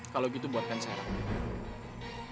kalau gitu buatkan saya rambut